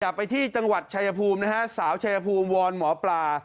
เดี๋ยวไปที่จังหวัดชายภูมิสาวชายภูมิวัวลหมอปลา